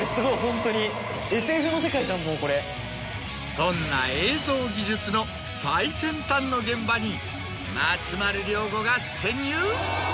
そんな映像技術の最先端の現場に松丸亮吾が潜入。